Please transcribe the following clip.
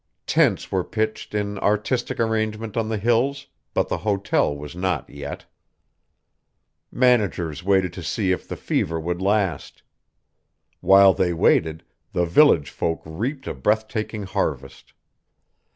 Tents were pitched in artistic arrangement on the Hills, but the hotel was not yet. Managers waited to see if the fever would last. While they waited, the village folk reaped a breathtaking harvest.